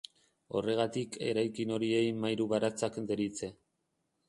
Horregatik eraikin horiei mairu-baratzak deritze.